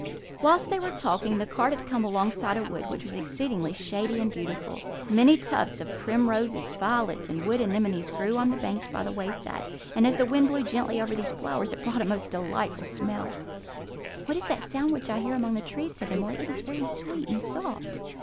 Whilst they were talking, the cart had come alongside a wood, which was exceedingly shady and beautiful. Many tufts of primroses, violets, and wood anemones grew on the banks by the wayside; and as the wind blew gently over these flowers, it brought a most delightful smell. "What sound is that which I hear among the trees?" said Emily. "It is very sweet and soft."